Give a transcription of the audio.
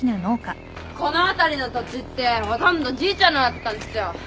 この辺りの土地ってほとんどじいちゃんのだったんすよ。